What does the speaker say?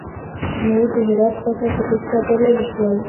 نور د هرات خواته په تېښته بريالي شول.